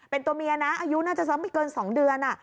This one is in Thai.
เป็นตัวเมียนะอายุน่าจะสักไม่เกิน๒เดือน